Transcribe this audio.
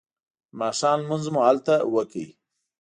د ماښام لمونځ مو هلته وکړ.